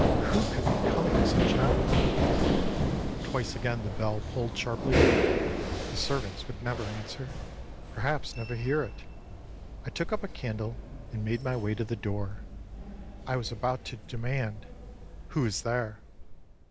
Who could be coming at such an hour? âTwice again the bell pulled sharply. The servants would never answer, perhaps never hear it. I took up a candle and made my way to the door. I was about to demand: ââWho is there?